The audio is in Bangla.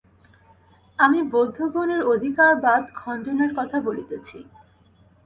আমি বৌদ্ধগণের অধিকারবাদ-খণ্ডনের কথা বলিতেছি।